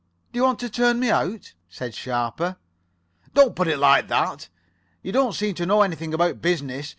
"Do you want to turn me out?" said Sharper. "Don't put it like that. You don't seem to know anything about business.